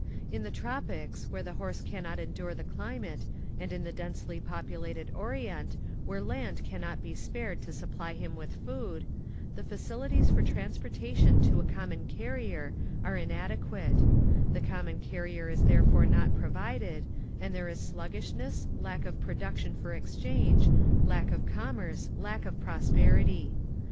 In the tropics, where the horse cannot endure the cli mate, and in the densely populated orient, where land cannot be spared to supply him with food, the facilities for transpor tation to a common carrier are inade quate ; the common carrier is therefore not provided, and there is sluggishness, lack of production for exchange, lack of commerce, lack of prosperity.